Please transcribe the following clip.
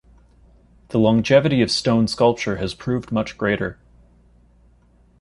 The longevity of stone sculpture has proved much greater.